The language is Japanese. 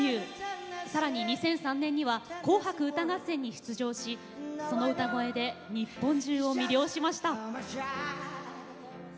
さらに２００３年には「紅白歌合戦」に出場しその歌声で日本中を魅了しました。